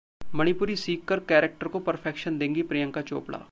मणिपुरी सीख कर कैरेक्टर को परफेक्शन देंगी प्रियंका चोपड़ा